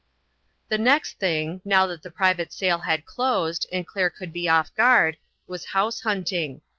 The next thing, now that the private sale had closed, and Claire could be off guard, was house hunting.